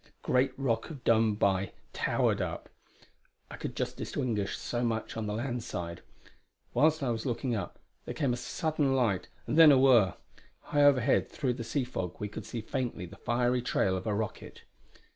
The great Rock of Dunbuy towered up; I could just distinguish so much on the land side. Whilst I was looking, there came a sudden light and then a whirr; high overhead through the sea fog we could see faintly the fiery trail of a rocket.